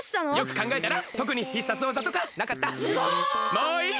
もういい！